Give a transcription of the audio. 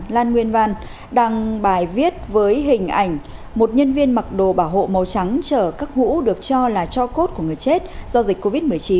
lan nguyên văn đăng bài viết với hình ảnh một nhân viên mặc đồ bảo hộ màu trắng chở các hũ được cho là cho cốt của người chết do dịch covid một mươi chín